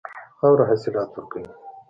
خاوره حاصلات ورکوي.